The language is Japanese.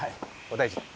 お大事に。